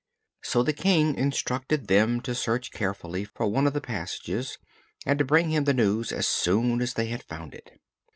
So the King instructed them to search carefully for one of the passages and to bring him the news as soon as they had found it.